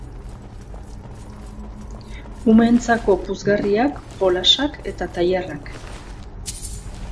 Umeentzako puzgarriak, jolasak eta tailerrak.